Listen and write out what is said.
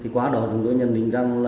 quá đó chúng tôi nhận định rằng